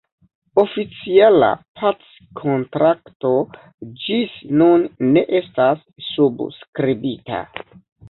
Oficiala packontrakto ĝis nun ne estas subskribita.